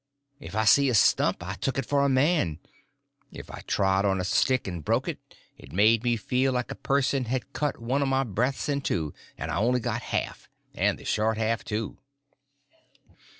If I see a stump, I took it for a man; if I trod on a stick and broke it, it made me feel like a person had cut one of my breaths in two and I only got half, and the short half, too.